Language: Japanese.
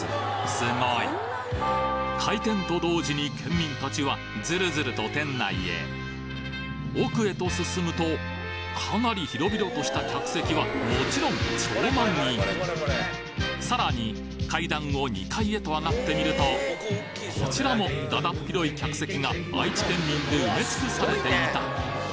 すごい開店と同時に県民達はズルズルと店内へ奥へと進むとかなり広々とした客席はもちろん超満員さらに階段を２階へと上がってみるとこちらもだだっ広い客席が愛知県民で埋め尽くされていた